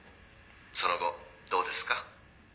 「その後どうですか？」